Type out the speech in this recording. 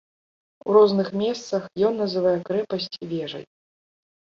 У розных месцах ён называе крэпасць вежай.